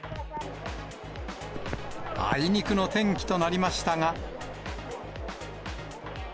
あいにくの天気となりましたが。